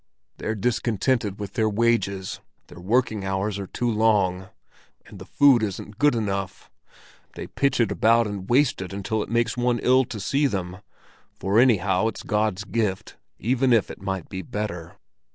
"They're discontented with their wages, their working hours are too long, and the food isn't good enough; they pitch it about and waste it until it makes one ill to see them, for anyhow it's God's gift, even if it might be better.